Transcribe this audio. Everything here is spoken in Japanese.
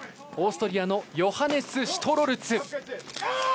オーストリアのヨハネス・シュトロルツ。